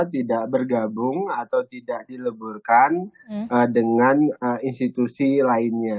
tidak bergabung atau tidak dileburkan dengan institusi lainnya